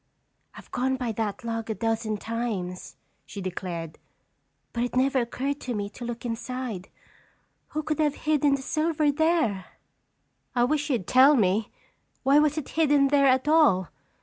"I've gone by that log a dozen times," she declared, "but it never occurred to me to look inside. Who could have hidden the silver there?" "I wish you'd tell me. Why was it hidden there at all?